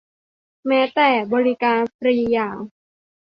แม้แต่บริการฟรีอย่าง